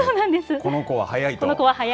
この子は早いと。